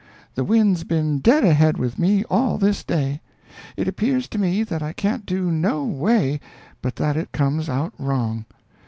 The wind's been dead ahead with me all this day. It appears to me that I can't do no way but that it comes out wrong.